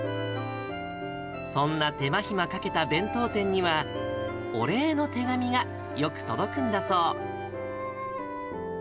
そんな手間暇かけた弁当店には、お礼の手紙がよく届くんだそう。